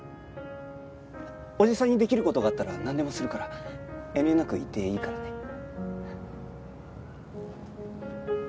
おじさんにできる事があったらなんでもするから遠慮なく言っていいからね。